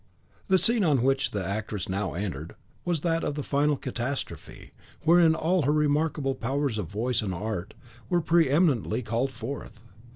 The scene on which the actress now entered was that of the final catastrophe, wherein all her remarkable powers of voice and art were pre eminently called forth.